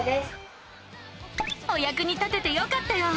おやくに立ててよかったよ！